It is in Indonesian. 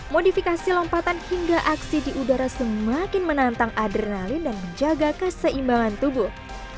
modifikasi lompatan hingga aksi di udara semakin menantang adrenalin dan menjaga keseimbangan tubuh